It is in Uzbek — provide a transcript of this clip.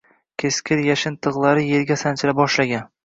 Keskir yashin tig’lari yerga sanchila boshlagan.